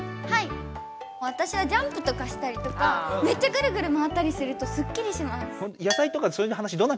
私はジャンプとかしたりとかめっちゃグルグルまわったりするとすっきりします。